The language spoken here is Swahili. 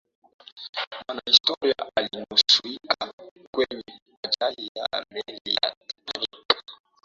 mwanahistoria alinusurika kwenye ajali ya meli ya titanic